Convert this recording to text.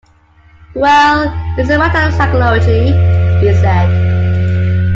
Well, it's a matter of psychology, he said.